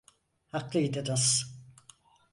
Haklıydınız.